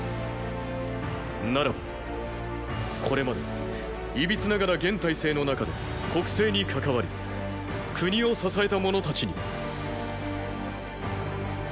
ならばこれまでいびつながら現体制の中で国政に関わり国を支えた者たちにーー。